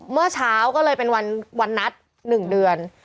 เมื่อเช้าก็เลยเป็นวันนัด๑เดือน